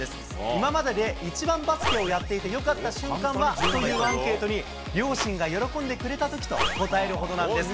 今までで一番バスケをやっていてよかった瞬間は？というアンケートに、両親が喜んでくれたときと答えるほどなんです。